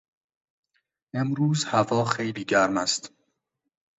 امروز هوا خیلی گرم است